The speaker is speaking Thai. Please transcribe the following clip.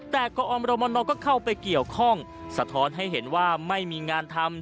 แต่กอมรมนก็เข้าไปเกี่ยวข้องสะท้อนให้เห็นว่าไม่มีงานทำ